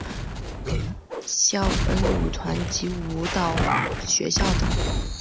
萧恩舞团及舞蹈学校等。